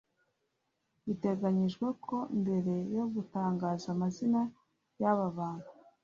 Biteganyijwe ko mbere yo gutangaza amazina y’aba bantu